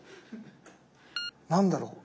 何だろう？